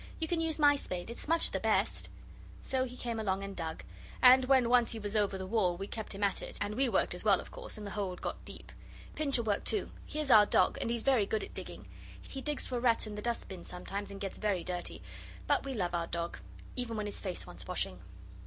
'You can use my spade. It's much the best ' So he came along and dug, and when once he was over the wall we kept him at it, and we worked as well, of course, and the hole got deep. Pincher worked too he is our dog and he is very good at digging. He digs for rats in the dustbin sometimes, and gets very dirty. But we love our dog, even when his face wants washing.